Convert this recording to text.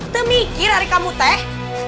temikir hari kamu teh